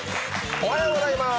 おはようございます。